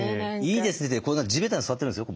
いいですねってこんな地べたに座ってるんですよ